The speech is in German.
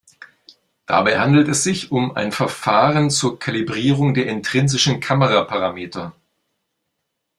Dabei handelt es sich um ein Verfahren zur Kalibrierung der intrinsischen Kameraparameter.